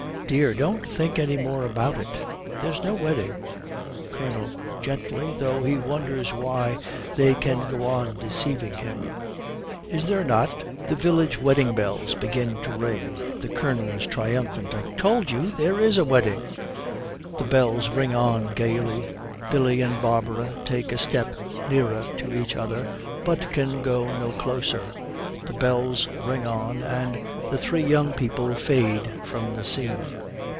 Dear, don't think any more about it. There's no wedding.' COLONEL, gently, though he wonders why they can go on deceiving him, 'Is there not?' The village wedding bells begin to ring. The Colonel is triumphant. 'I told you! There is a wedding!' The bells ring on gaily. Billy and Barbara take a step nearer to each other, but can go no closer. The bells ring on, and the three young people fade from the scene.